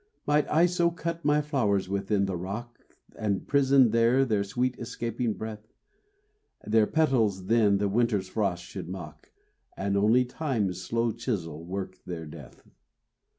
Might I so cut my flowers within the rock, And prison there their sweet escaping breath; Their petals then the winter's frost should mock, And only Time's slow chisel work their death.